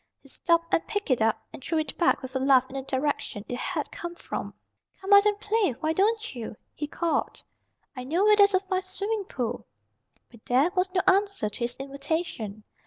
He stopped and picked it up and threw it back with a laugh in the direction it had come from. "Come out and play, why don't you?" he called. "I know where there's a fine swimming pool." But there was no answer to his invitation.